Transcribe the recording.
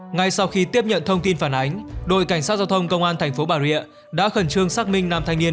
ngay sau khi tiếp nhận thông tin phản ánh đội cảnh sát giao thông công an tp bà rịa đã khẩn trương xác minh năm thanh niên